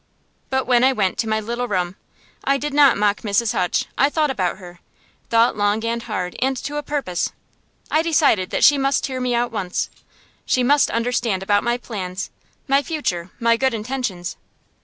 But when I went to my little room I did not mock Mrs. Hutch. I thought about her, thought long and hard, and to a purpose. I decided that she must hear me out once. She must understand about my plans, my future, my good intentions.